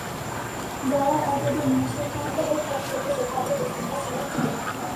যারা এতদিন মুসলমানদের নানাভাবে কষ্ট দিয়েছে তাদের দুশ্চিন্তা ছিল তুঙ্গে।